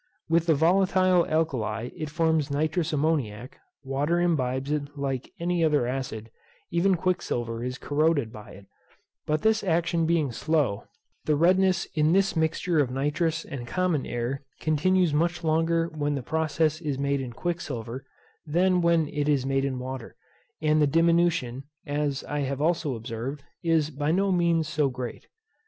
With the volatile alkali it forms nitrous ammoniac, water imbibes it like any other acid, even quicksilver is corroded by it; but this action being slow, the redness in this mixture of nitrous and common air continues much longer when the process is made in quicksilver, than when it is made in water, and the diminution, as I have also observed; is by no means so great.